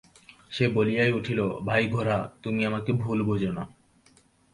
সে বলিয়া উঠিল, ভাই গোরা, তুমি আমাকে ভুল বুঝো না।